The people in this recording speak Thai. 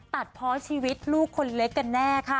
ตัดเพราะชีวิตลูกคนเล็กกันแน่ค่ะ